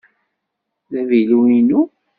D avilu-inu.